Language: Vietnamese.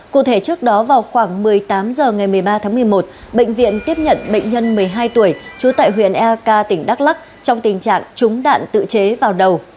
cụ thể trước đó vào khoảng một mươi tám h ngày một mươi ba tháng một mươi một bệnh viện tiếp nhận bệnh nhân một mươi hai tuổi trú tại huyện eak tỉnh đắk lắc trong tình trạng trúng đạn tự chế vào đầu